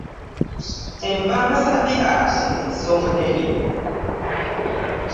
Kye nva mbasabira omukisa omunene.